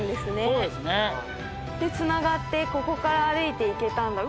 で繋がってここから歩いていけたんだ。